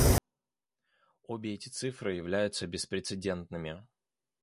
Обе эти цифры являются беспрецедентными.